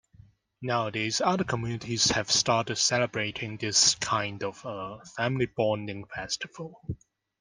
Nowadays, other communities have started celebrating this kind of a family-bonding festival.